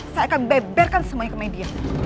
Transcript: saya akan beberkan semuanya ke media